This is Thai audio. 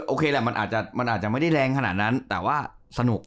โอเคแหละมันอาจจะไม่ได้แรงขนาดนั้นแต่ว่าสนุก